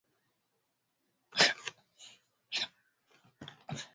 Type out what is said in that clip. Kati ya hizi Uturuki tu ndio iliyohifadhi hali yake